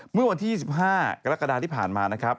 เมื่อวันที่๒๕กรกฎาที่ผ่านมานะครับ